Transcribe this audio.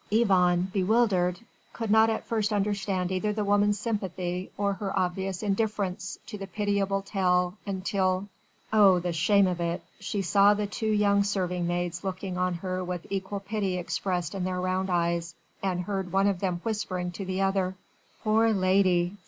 Yvonne, bewildered, could not at first understand either the woman's sympathy or her obvious indifference to the pitiable tale, until Oh! the shame of it! she saw the two young serving maids looking on her with equal pity expressed in their round eyes, and heard one of them whispering to the other: "Pore lady!